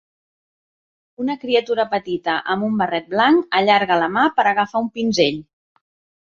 Una criatura petita amb un barret blanc allarga la mà per agafar un pinzell.